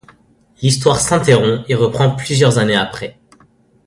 L'histoire s'interrompt et reprend plusieurs années après.